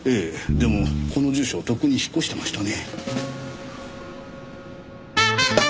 でもこの住所とっくに引っ越してましたね。